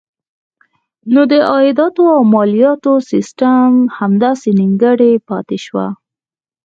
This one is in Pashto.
نو د عایداتو او مالیاتو سیسټم همداسې نیمګړی پاتې شو.